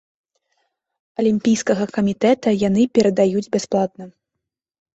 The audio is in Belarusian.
Алімпійскага камітэта яны перадаюць бясплатна.